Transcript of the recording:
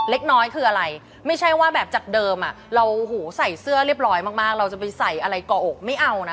เล็กน้อยคืออะไรไม่ใช่ว่าแบบจากเดิมเราหูใส่เสื้อเรียบร้อยมากเราจะไปใส่อะไรก่ออกไม่เอานะ